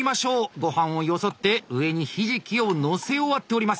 ごはんをよそって上にひじきをのせ終わっております。